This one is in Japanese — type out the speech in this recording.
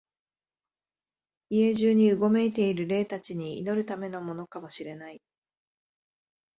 家中にうごめいている霊たちに祈るためのものかも知れない、